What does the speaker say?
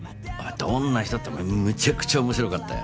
どんな人ってお前めちゃくちゃ面白かったよ。